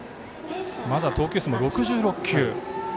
まだ投球数も６６球。